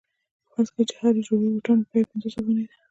فرض کړئ چې د هرې جوړې بوټانو بیه پنځوس افغانۍ ده